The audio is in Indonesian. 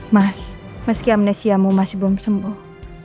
mas meski amnesiamu masih belum sembuh